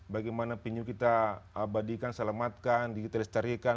bagaimana pinjau kita abadikan selamatkan digitalisasi tarikan